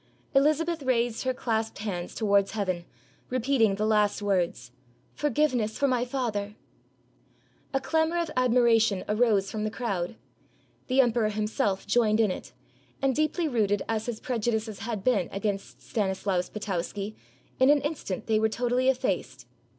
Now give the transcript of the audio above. Elizabeth raised her clasped hands towards heaven, repeating the last words, "For giveness for my father!" 179 RUSSIA A clamor of admiration arose from the crowd! The emperor himself joined in it; and deeply rooted as his prejudices had been against Stanislaus Potowsky, in an instant they were totally effaced.